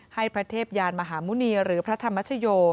ให้พระเทพยานมหาหมุณีหรือพระธรรมชโย